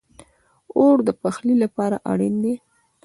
اور د پخلی لپاره اړین دی